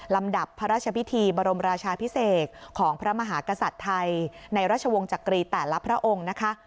ลำดับพระราชพิธีบรมราชาพิเศษของพระมหากษัตริย์ไทยในราชวงศ์จักรีแต่ละพระองค์นะคะ